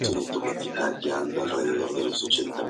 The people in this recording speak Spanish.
Actuaron en varios lugares de la capital mexicana.